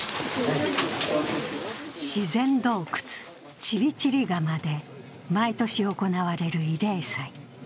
自然洞窟・チビチリガマで毎年行われる慰霊祭。